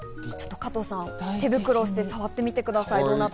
加藤さん、手袋をして触ってみてください。